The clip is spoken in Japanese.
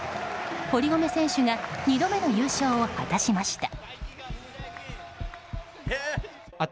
堀米選手が２度目の優勝を果たしました。